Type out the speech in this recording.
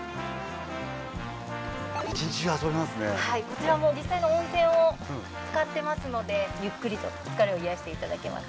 こちらも実際の温泉を使ってますのでゆっくりと疲れを癒やして頂けます。